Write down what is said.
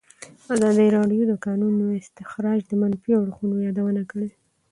ازادي راډیو د د کانونو استخراج د منفي اړخونو یادونه کړې.